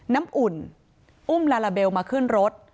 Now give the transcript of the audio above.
น้ำอุ่นอุ้มลาลาเบลมาขึ้นรถ